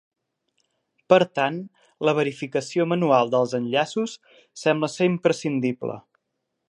Per tant, la verificació manual dels enllaços sembla ser imprescindible.